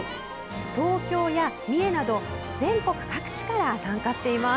東京や三重など全国各地から参加しています。